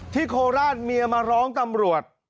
โคราชเมียมาร้องตำรวจ